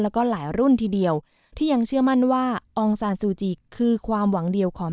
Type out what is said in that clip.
แล้วก็หลายรุ่นทีเดียวที่ยังเชื่อมั่นว่าอองซานซูจิคือความหวังเดียวของ